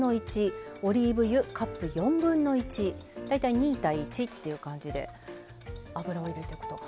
大体２対１という感じで油を入れていくと。